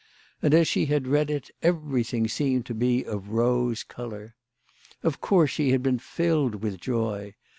And as she had read it everything seemed to be of rose colour. Of course she had been filled with joy.